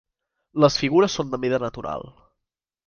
Les figures són de mida natural.